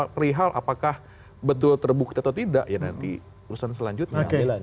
perihal apakah betul terbukti atau tidak ya nanti urusan selanjutnya